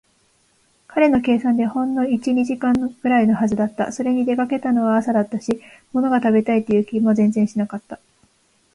彼の計算ではほんの一、二時間ぐらいのはずだった。それに、出かけたのは朝だったし、ものが食べたいという気も全然しなかった。